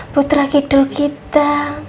putra kidul kita